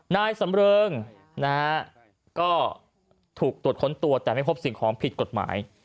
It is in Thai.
นายสำเริงนะฮะก็ถูกตรวจค้นตัวแต่ไม่พบสิ่งของผิดกฎหมาย